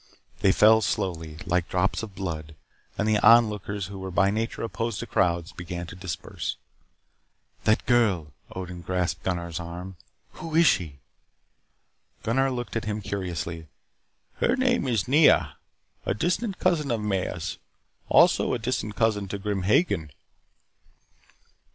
They fell slowly like drops of blood, and the onlookers, who were by nature opposed to crowds, began to disperse. "That girl," Odin grasped Gunnar's arm "Who is she?" Gunnar looked at him curiously. "Her name is Nea. A distant cousin of Maya's. Also, a distant cousin to Grim Hagen."